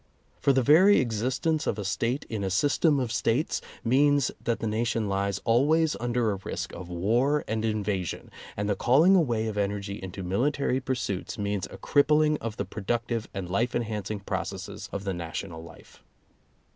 For the very existence of a State in a system of States means that the nation lies always under a risk of war and invasion, and the calling away of energy into military pursuits means a crippling of the productive and life enhancing processes of the national life.